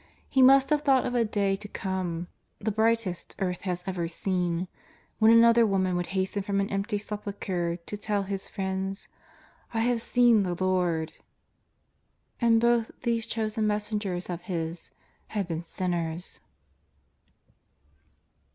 He must have thought of a day to come, the brightest earth has ever seen, when another woman would hasten from an empty Sepulchre to tell His friends :" I have seen the Lord !" And both these chosen messengers of His had been sinners